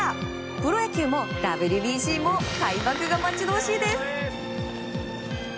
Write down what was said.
プロ野球もＷＢＣも開幕が待ち遠しいです。